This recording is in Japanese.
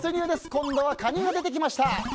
今度はカニが出てきました。